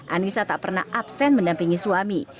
anissa tak pernah absen mendampingi suami